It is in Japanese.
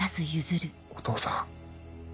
お父さん。